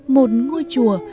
một ngôi chùa